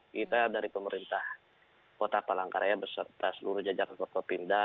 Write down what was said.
kita dari pemerintah kota palangkara beserta seluruh jajaran kota pindah